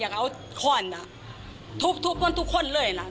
ช่วยเร่งจับตัวคนร้ายให้ได้โดยเร่ง